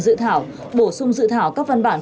dự thảo bổ sung dự thảo các văn bản